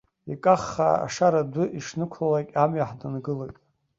Икаххаа ашара адәы ишнықәлалак амҩа ҳнангылоит.